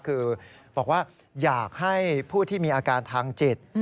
คือบอกว่าอยากให้ผู้ที่มีอาการทางจิต